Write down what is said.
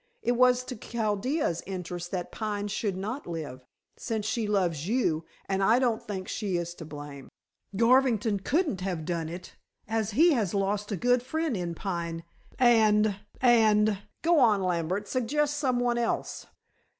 It was to Chaldea's interest that Pine should not live, since she loves you, and I don't think she is to blame. Garvington couldn't have done it, as he has lost a good friend in Pine, and and go on Lambert, suggest some one else."